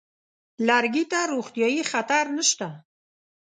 لرګي ته روغتیايي خطر نشته.